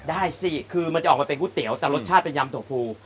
ได้สิคือมันจะออกมาเป็นก๋วยเตี๋ยวแต่รสชาติเป็นยำถั่วภู